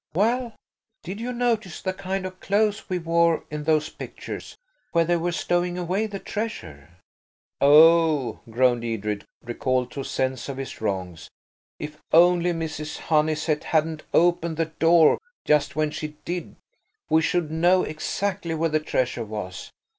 "Well?" "Did you notice the kind of clothes we wore in those pictures–where they were stowing away the treasure?" "Oh!" groaned Edred, recalled to a sense of his wrongs. "If only Mrs. Honeysett hadn't opened the door just when she did, we should know exactly where the treasure was.